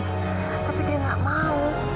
tapi dia nggak mau